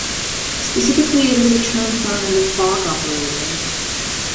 Specifically, it is a term found in the Fock operator.